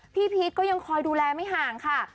พีชก็ยังคอยดูแลไม่ห่างค่ะ